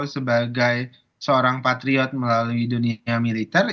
sebagai seorang patriot melalui dunia militer